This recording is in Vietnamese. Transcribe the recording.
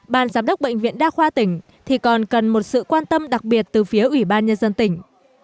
ban giám đốc bệnh viện đa khoa tỉnh thì còn cần một sự quan tâm đặc biệt từ phía ủy ban nhân dân tỉnh